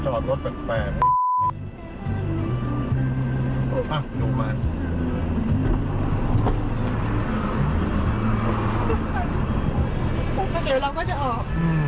เดี๋ยวเราก็จะออก